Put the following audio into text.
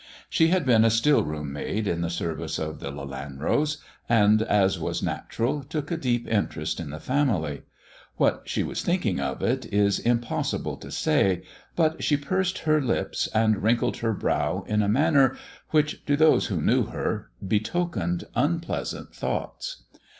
She had been a still room maid in the service of the Lelanros, and, as was natural, took a deep interest in the family. What she was thinking of it is impossible to say, but she pursed up her lips and wrinkled her brow in a manner which, to those who knew her, betokened unpleasant thoughts.